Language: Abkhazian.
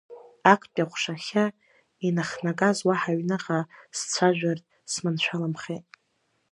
Актәи аҟәшахьы инахнагаз уаҳа аҩныҟа сцәажәартә сманшәаламхеит.